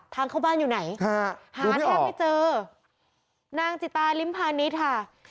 ทางเข้าบ้านอยู่ไหนหาทางไม่เจอนางจิตาริมพาณิชย์ค่ะถูกไม่ออก